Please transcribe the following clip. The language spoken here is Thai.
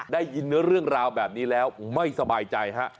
ได้ยินเรื่องราวแบบนี้แล้วไม่สบายใจฮะ